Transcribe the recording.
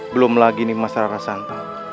belum lagi nih masalah rai santan